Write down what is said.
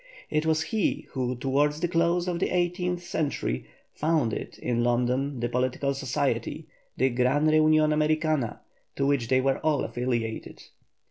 It was he who towards the close of the eighteenth century founded in London the political society, the "Gran Reunion Americana," to which they were all affiliated.